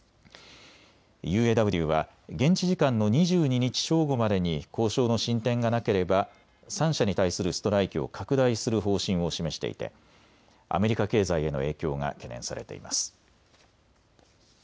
ＵＡＷは現地時間の２２日正午までに交渉の進展がなければ３社に対するストライキを拡大する方針を示していてアメリカ経済への影響が懸念されています。